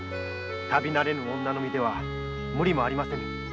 旅慣れぬ女の身では無理もありません。